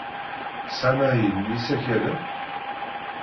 Tesɛam ahil n yisakalen?